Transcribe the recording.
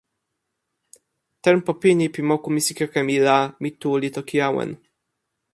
tenpo pini pi moku misikeke mi la, mi tu li toki awen.